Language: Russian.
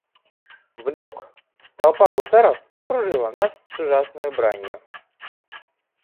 Вдруг толпа гусаров окружила нас с ужасною бранью.